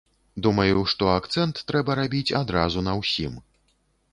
Думаю, што акцэнт трэба рабіць адразу на ўсім.